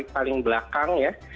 paling belakang ya